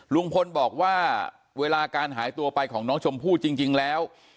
ลุงพลบอกว่าเวลาการหายตัวไปของน้องชมพู่จริงแล้ว